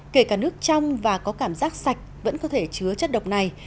kể cả nước trong và có cảm giác sạch vẫn có thể chứa chất độc này